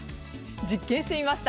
実験してみました。